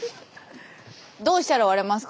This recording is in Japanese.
どうしたら割れますか？